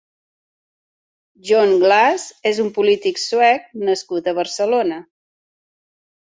John Glas és un polític suec nascut a Barcelona.